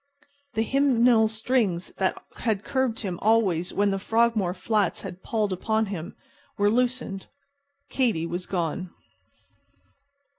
The hymeneal strings that had curbed him always when the Frogmore flats had palled upon him were loosened. Katy was gone.